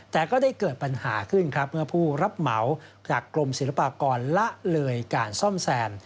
แต่ก็ได้เกิดปัญหาขึ้นครับเมื่อผู้รับเหมาจากกรมศิลปากรละเลยการซ่อมแซม